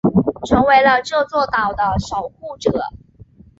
成为了这座岛的守护者。